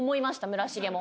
村重も。